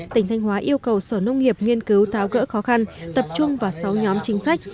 tỉnh thanh hóa yêu cầu sở nông nghiệp nghiên cứu tháo gỡ khó khăn tập trung vào sáu nhóm chính sách